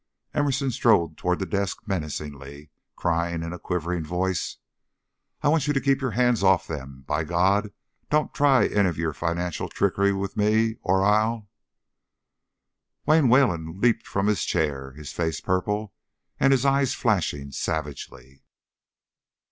Emerson strode toward the desk menacingly, crying, in a quivering voice: "I warn you to keep your hands off of them. By God! don't try any of your financial trickery with me, or I'll " Wayne Wayland leaped from his chair, his face purple and his eyes flashing savagely.